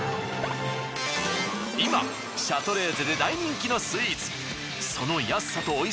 今シャトレーゼで大人気のスイーツ。